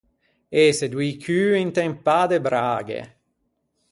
Ëse doî cû inte un pâ de braghe.